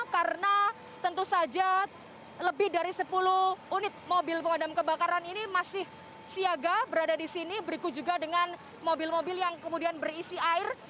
karena tentu saja lebih dari sepuluh unit mobil pemadam kebakaran ini masih siaga berada di sini berikut juga dengan mobil mobil yang kemudian berisi air